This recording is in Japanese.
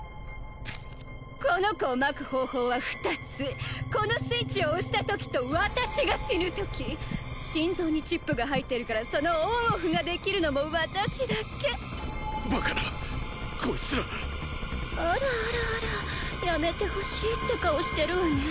この子をまく方法は２つこのスイッチを押したときと私が死ぬとき心臓にチップが入ってるからそのオンオフができるのも私だけバカなこいつらあらあらあらやめてほしいって顔してるわね